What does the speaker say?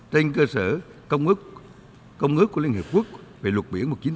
tên cơ sở công ước của liên hợp quốc về luật biển một nghìn chín trăm tám mươi hai